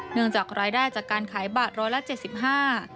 เนื่องจากรายได้จากการขายบาท๑๗๕บาท